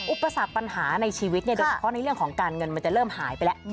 อุปสรรคปัญหาในชีวิตโดยเฉพาะในเรื่องของการเงินมันจะเริ่มหายไปแล้ว